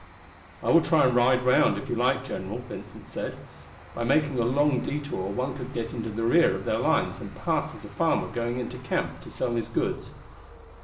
"I will try and ride round, if you like, general," Vincent said. "By making a long detour one could get into the rear of their lines and pass as a farmer going into camp to sell his goods."